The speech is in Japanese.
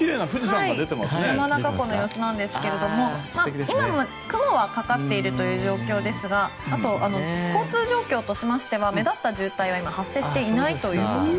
山中湖の様子ですが今も雲はかかっているという状況ですがあと交通状況としましては目立った渋滞は今、発生していないということです。